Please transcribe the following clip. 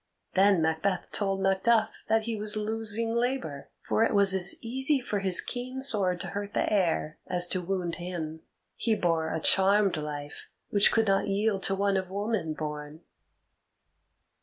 Then Macbeth told Macduff that he was losing labour, for it was as easy for his keen sword to hurt the air as to wound him. He bore a charmed life, which could not yield to one of woman born.